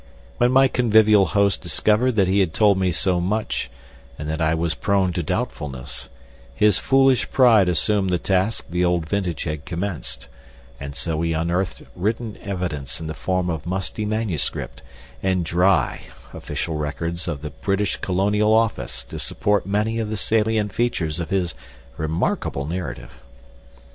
When my convivial host discovered that he had told me so much, and that I was prone to doubtfulness, his foolish pride assumed the task the old vintage had commenced, and so he unearthed written evidence in the form of musty manuscript, and dry official records of the British Colonial Office to support many of the salient features of his remarkable narrative.